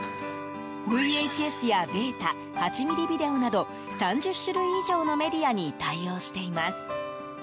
ＶＨＳやベータ８ｍｍビデオなど３０種類以上のメディアに対応しています。